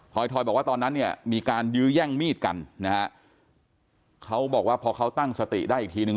ทอยบอกว่าตอนนั้นเนี่ยมีการยื้อแย่งมีดกันนะฮะเขาบอกว่าพอเขาตั้งสติได้อีกทีนึง